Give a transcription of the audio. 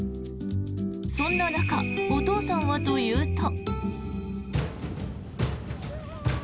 そんな中お父さんはというと。